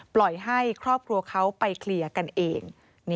ปล่อยให้ครอบครัวเขาไปเคลียร์กันเอง